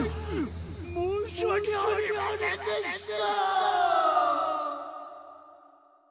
もうしわけありませんでした！